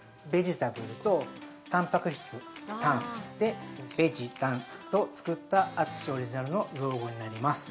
タブルとたんぱく質「たん」で「ベジたん」と作ったＡｔｓｕｓｈｉオリジナルの造語になります。